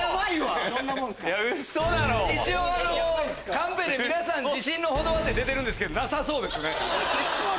カンペで「自信の程は？」って出てるんですけどなさそうです。